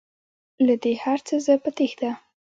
له دې هرڅه زه په تیښته